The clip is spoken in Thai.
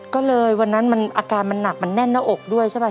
ก็เลยวันนั้นมันอาการมันหนักมันแน่นหน้าอกด้วยใช่ป่